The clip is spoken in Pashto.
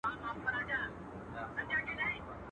چي د ياره وائې، د ځانه وائې.